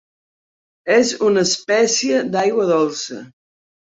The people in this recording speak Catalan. És una espècie d'aigua dolça.